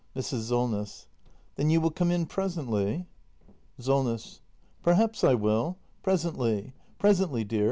Mrs. Solness. Then you will come in presently? Solness. Perhaps I will. Presently, presently, dear.